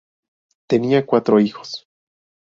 Tenía cuatro hijos.